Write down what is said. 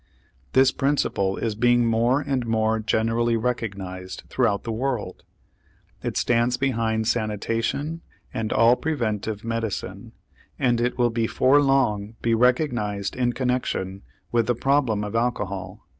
This principle is being more and more generally recognized throughout the world; it stands behind sanitation and all preventive medicine, and it will before long be recognized in connection with the problem of alcohol.